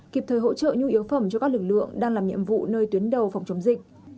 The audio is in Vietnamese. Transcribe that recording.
kịp thời hỗ trợ nhu yếu phẩm cho các lực lượng đang làm nhiệm vụ nơi tuyến đầu phòng chống dịch